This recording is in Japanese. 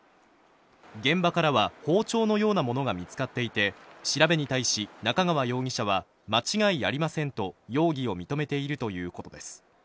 現場からは包丁のようなものが見つかっていて、調べに対し中川容疑者は間違いありませんと容疑を認めているということです。